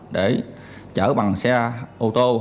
để chở bằng xe ô tô